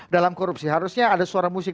dalam korupsi harusnya ada suara musik